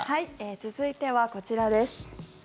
続いてはこちらです。